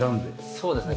そうですね。